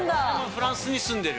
フランスに住んでる？